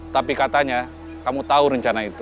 tapi katanya kamu tahu rencana itu